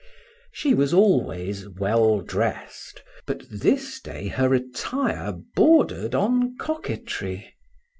She was always well dressed, but this day her attire bordered on coquetry.